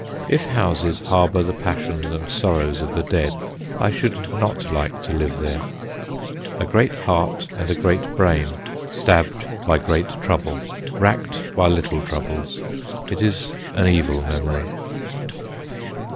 If houses harbour the passions and sorrows of the dead, I should not like to live there. A great heart and a great brain stabbed by great trouble, racked by little troubles it is an evil memory.